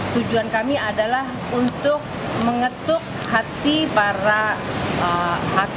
tujuan kami adalah untuk mengetuk hati para hakim